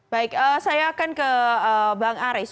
baik saya akan ke bang aris